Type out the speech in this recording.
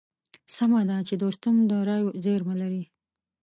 سمه ده چې دوستم د رايو زېرمه لري.